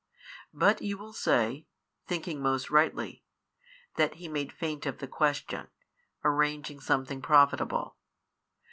But you will say (thinking most rightly) that He made feint of the question, arranging something profitable.